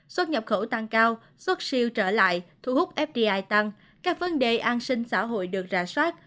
xuất nhập khẩu tăng cao xuất siêu trở lại thu hút fdi tăng các vấn đề an sinh xã hội được rà soát